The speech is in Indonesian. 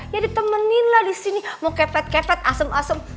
ya ditemeninlah di sini mau kepet kepet asem asem